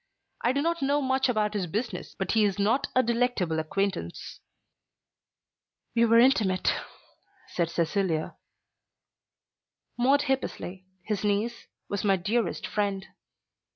I do not know much about his business, but he is not a delectable acquaintance." "We were intimate," said Cecilia. "Maude Hippesley, his niece, was my dearest friend."